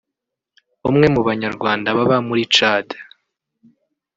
umwe mu Banyarwanda baba muri Tchad